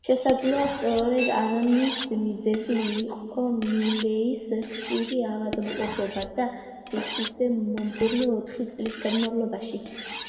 შესაძლოა, სწორედ ამის მიზეზი იყო მილეის ხშირი ავადმყოფობა და სისუსტე მომდევნო ოთხი წლის განმავლობაში.